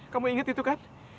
kamu inget itu kan